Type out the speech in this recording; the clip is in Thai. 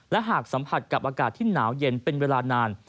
และหากสัมผัสกับอากาศที่หนาวเย็นเป็นเวลานาน